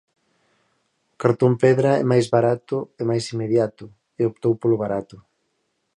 O cartón-pedra é máis barato e máis inmediato, e optou polo barato.